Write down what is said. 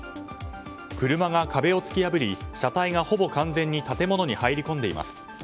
車が壁を突き破り車体がほぼ完全に建物に入り込んでいます。